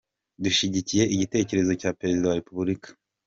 Dushyigikiye igiterezo cya Perezida wa Repubulika.